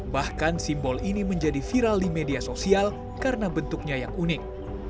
bahkan simbol ini menjadi viral di media sosial karena bentuknya yang unik